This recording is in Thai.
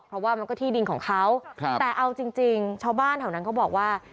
เพราะว่ามันก็ที่ดินของเขาแต่เอาจริงชาวบ้านแถวนั้นเขาบอกว่า